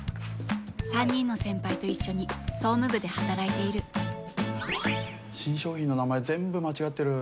３人の先輩と一緒に総務部で働いている新商品の名前全部間違ってる。